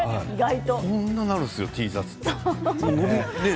こんななるんですよＴシャツって。